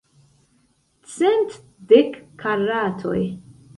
Cent dek karatoj.